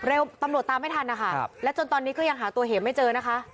ตำรวจตามไม่ทันนะคะและจนตอนนี้ก็ยังหาตัวเหมไม่เจอนะคะ